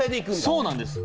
そうなんです。